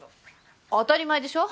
当たり前でしょ。